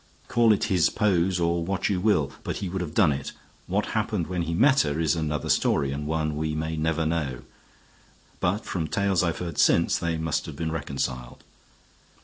Call it his pose or what you will, but he would have done it. What happened when he met her is another story, and one we may never know, but from tales I've heard since, they must have been reconciled.